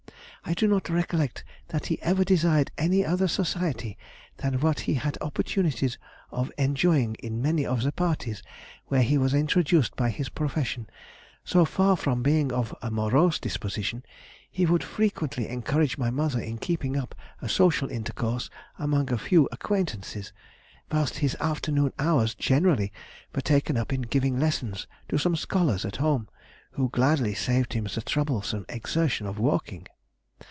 I do not recollect that he ever desired any other society than what he had opportunities of enjoying in many of the parties where he was introduced by his profession; though far from being of a morose disposition; he would frequently encourage my mother in keeping up a social intercourse among a few acquaintances, whilst his afternoon hours generally were taken up in giving lessons to some scholars at home, who gladly saved him the troublesome exertion of walking....